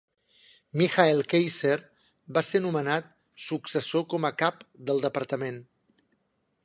Michael Keiser va ser nomenat successor com a cap del departament.